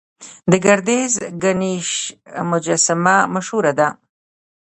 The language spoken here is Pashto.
د ګردیز ګنیش مجسمه مشهوره ده